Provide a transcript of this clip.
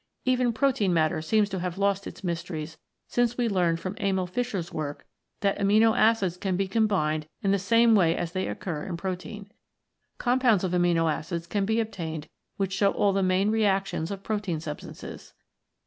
Even protein matter seems to have lost its mysteries since we learned from Emil Fischer's work that amino acids can be combined in the same way as they occur in protein. Compounds of amino acids can be obtained which show all the main reactions of protein substances.